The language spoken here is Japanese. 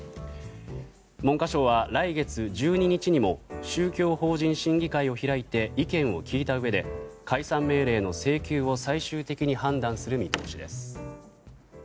文科省は来月１２日にも宗教法人審議会を開いて意見を聞いたうえで解散命令の請求を最終的に判断する見通しです。